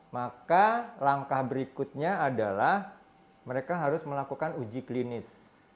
maka langkah berikutnya adalah mereka harus melakukan uji klinis